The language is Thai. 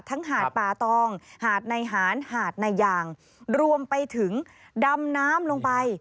หาดป่าตองหาดในหานหาดนายางรวมไปถึงดำน้ำลงไป